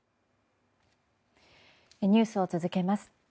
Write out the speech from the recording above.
ニュースを続けます。